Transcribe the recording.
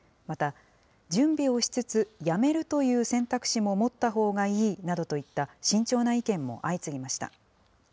また、準備をしつつやめるという選択肢も持ったほうがいいなどといった、慎重な意見も相次ぎました。